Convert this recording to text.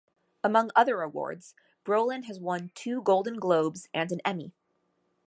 Among other awards, Brolin has won two Golden Globes and an Emmy.